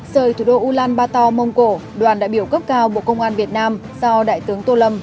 sời thủ đô ulaanbaatar mông cổ đoàn đại biểu cấp cao bộ công an việt nam do đại tướng tô lâm